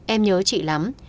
em nhớ chị lắm